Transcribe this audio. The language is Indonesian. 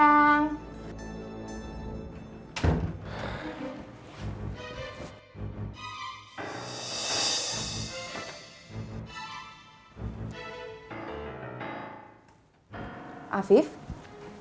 hari itu saya di sini